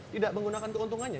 tidak menggunakan keuntungannya